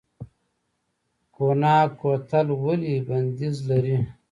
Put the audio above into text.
قوناق کوتل ولې بندیز لري؟